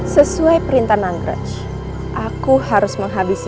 sesuai perintah nanggrek aku harus menghabisi